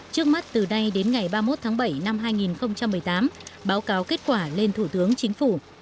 trước mắt từ nay đến ngày ba mươi một tháng bảy năm hai nghìn một mươi tám báo cáo kết quả lên thủ tướng chính phủ